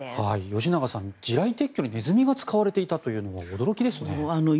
吉永さん、地雷撤去にネズミが使われていたのは驚きですね。